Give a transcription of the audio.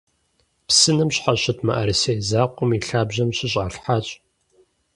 Псынэм щхьэщыт мыӀэрысей закъуэм и лъабжьэм щыщӀалъхьащ.